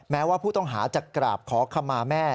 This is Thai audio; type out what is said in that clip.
แม้ว่าผู้ต้องหาจะกราบขอขมาแม่